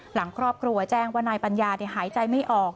หลังครอบครัวแจ้งว่านายปัญญาหายใจไม่ออก